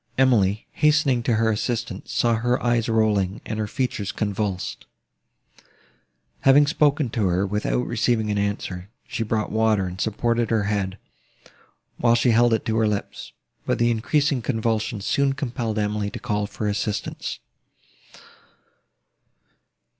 Emily, hastening to her assistance, saw her eyes rolling, and her features convulsed. Having spoken to her, without receiving an answer, she brought water, and supported her head, while she held it to her lips; but the increasing convulsions soon compelled Emily to call for assistance.